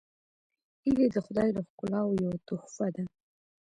هیلۍ د خدای له ښکلاوو یوه تحفه ده